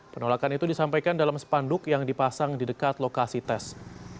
penolakan itu disampaikan dalam spanduk yang dipasang di dekat lokasi tes